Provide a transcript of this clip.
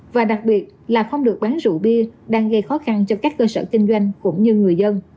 và đặc biệt là không được uống rượu bia đang gây khó khăn cho các cơ sở kinh doanh cũng như người dân